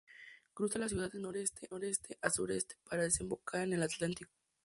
Cruza la ciudad de noreste a suroeste para desembocar en el Atlántico.